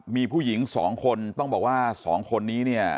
มีผู้หญิงสองคนต้องบอกว่า๒คนนี้เนี่ย